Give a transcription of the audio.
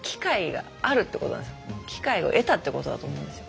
機会を得たということだと思うんですよ。